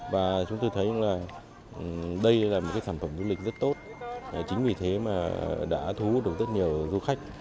và chúng tôi thấy là đây là một sản phẩm du lịch rất tốt chính vì thế mà đã thu hút được rất nhiều du khách